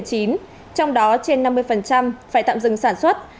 trong đó trên năm mươi phải tạm dừng sản xuất